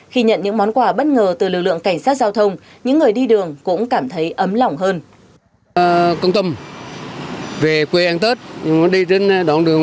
khi nhận những món quà bất ngờ từ lực lượng cảnh sát giao thông những người đi đường cũng cảm thấy ấm lỏng hơn